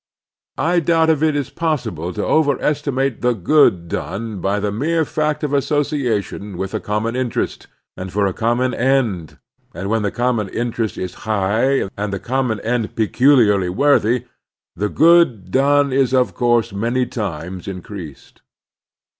I doubt if it is possible to overestimate the good done by the mere fact of association with a common interest and for a common end, and when the common interest is high and the common end peculiarly worthy, the good done is of course many times increased.